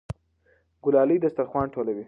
ګلالۍ دسترخوان ټولوي.